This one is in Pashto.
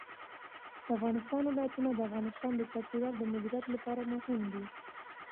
د افغانستان ولايتونه د افغانستان د چاپیریال د مدیریت لپاره مهم دي.